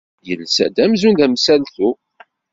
Yuba yelsa-d amzun d amsaltu.